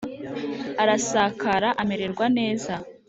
arasakara, amererwa neza.